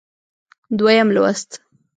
دویم لوست